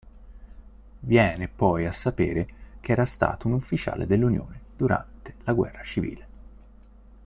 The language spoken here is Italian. Viene poi a sapere che era stato un ufficiale dell'Unione durante la guerra civile.